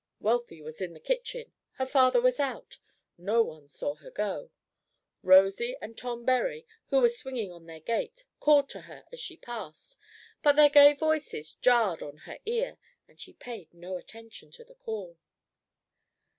Wealthy was in the kitchen, her father was out, no one saw her go. Rosy and Tom Bury, who were swinging on their gate, called to her as she passed, but their gay voices jarred on her ear, and she paid no attention to the call.